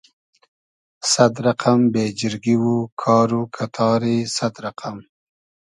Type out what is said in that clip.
سئد رئقئم بېجیرگی و کار و کئتاری سئد رئقئم